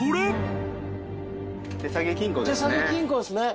手提げ金庫ですね。